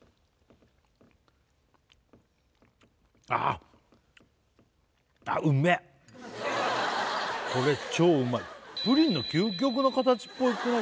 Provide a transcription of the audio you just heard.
ああっこれ超うまいプリンの究極の形っぽくない？